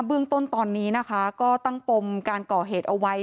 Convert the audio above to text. เบื้องต้นตอนนี้นะคะก็ตั้งปมการก่อเหตุเอาไว้